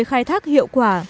khai thác hiệu quả